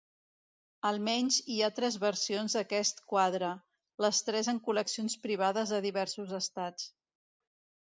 Almenys hi ha tres versions d'aquest quadre, les tres en col·leccions privades de diversos estats.